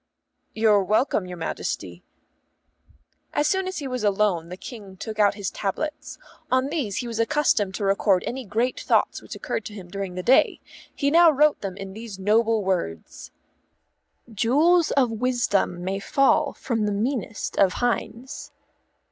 "You're welcome, your Majesty." As soon as he was alone the King took out his tablets. On these he was accustomed to record any great thoughts which occurred to him during the day. He now wrote in them these noble words: "_Jewels of wisdom may fall from the meanest of hinds.